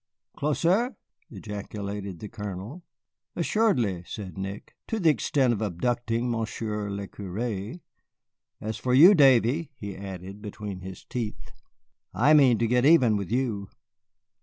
"Closer?" ejaculated the Colonel. "Assuredly," said Nick, "to the extent of abducting Monsieur le curé. As for you, Davy," he added, between his teeth, "I mean to get even with you."